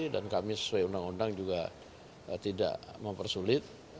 dan kami sesuai undang undang juga tidak mempersulit